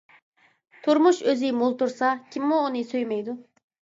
تۇرمۇش ئۆزى مول تۇرسا، كىممۇ ئۇنى سۆيمەيدۇ؟ !